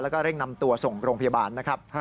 แล้วก็เร่งนำตัวส่งโรงพยาบาลนะครับ